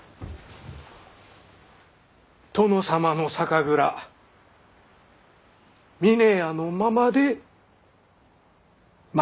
殿様の酒蔵峰屋のままで幕を引いた。